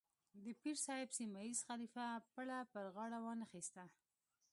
د پیر صاحب سیمه ییز خلیفه پړه پر غاړه وانه اخیسته.